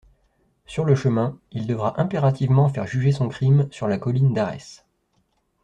Sur le chemin, il devra impérativement faire juger son crime sur la Colline d'Arès.